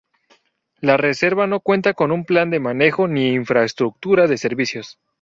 La reserva no cuenta con plan de manejo ni infraestructura de servicios.